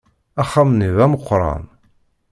Axxam-nni d ameqqran.